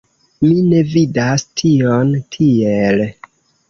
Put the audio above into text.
Mi ne vidas tion tiel.